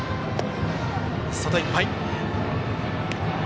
外いっぱい。